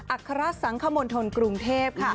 อัครสังขมนธนกรุงเทพฯค่ะ